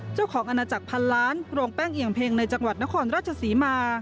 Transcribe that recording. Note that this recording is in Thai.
อาณาจักรพันล้านโรงแป้งเอี่ยงเพ็งในจังหวัดนครราชศรีมา